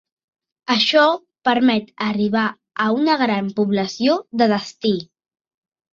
Això permet arribar a una gran població de destí.